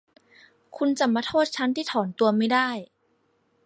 คุณจะมาโทษฉันที่ถอนตัวไม่ได้